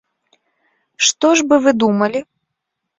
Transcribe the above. Што ж бы вы думалі?